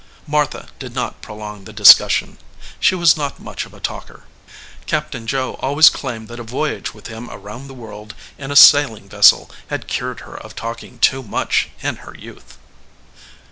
Martha did not prolong the discussion. She was not much of a talker. Captain Joe always claimed that a voyage with him around the world in a sail ing vessel had cured her of talking too much in her youth.